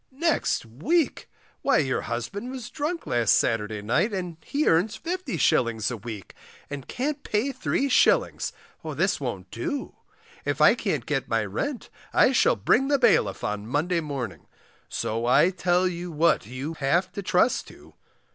Next week! why your husband was drunk last Saturday night, and he earns 50s. a week, and can't pay 3s, this won't do; If I can't get my rent I shall bring the bailiff on Monday morning, so I tell you what you have to trust to.